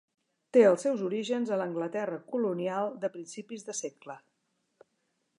Té els seus orígens a l'Anglaterra colonial de principis de segle.